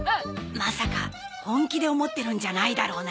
まさか本気で思ってるんじゃないだろうな。